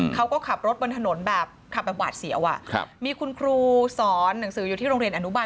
เขาก็ขับรถบนถนนแบบขับแบบหวาดเสียวมีคุณครูสอนหนังสืออยู่ที่โรงเรียนอนุบาล